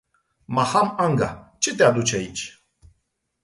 Maham Anga, ce te aduce aici?